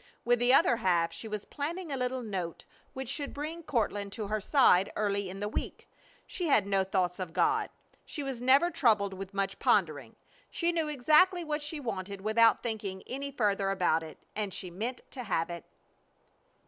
With the other half she was planning a little note which should bring Courtland to her side early in the week. She had no thoughts of God. She was never troubled with much pondering. She knew exactly what she wanted without thinking any further about it, and she meant to have it.